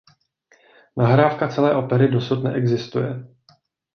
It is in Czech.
Nahrávka celé opery dosud neexistuje.